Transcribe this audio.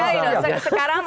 enggak cuma sekali dong